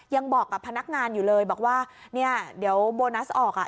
ยังบอกกับพนักงานอยู่เลยบอกว่าเนี่ยเดี๋ยวโบนัสออกอ่ะ